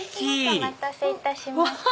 お待たせいたしました。